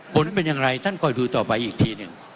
ผลเป็นอย่างไรท่านคอยดูต่อไปอีกทีหนึ่ง